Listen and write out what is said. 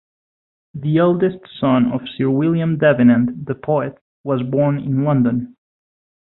The eldest son of Sir William Davenant, the poet, he was born in London.